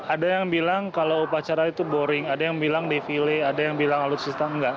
ada yang bilang kalau upacara itu boring ada yang bilang defile ada yang bilang alutsista enggak